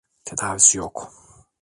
Tedavisi yok.